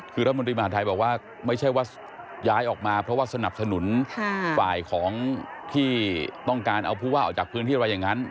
คือรัฐมนตรีมหาธัยบอกว่าไม่ใช่ว่าย้ายออกมาเพราะว่าสนับสนุนฝ่ายของที่ต้องการเอาผู้ว่าออกจากพื้นที่อะไรอย่างนั้น